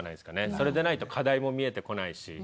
それでないと課題も見えてこないし。